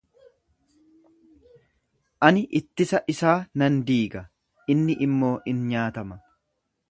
Ani ittisa isaa nan diiga inni immoo in nyaatama.